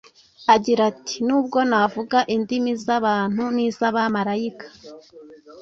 agira ati: “nubwo navuga indimi z’abantu n’iz’abamarayika,